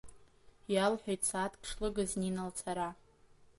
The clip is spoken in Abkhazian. Иалҳәеит сааҭк шлыгыз Нина лцара.